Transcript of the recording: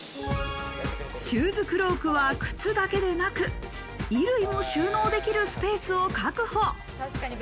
シューズクロークは靴だけでなく、衣類も収納できるスペースを確保。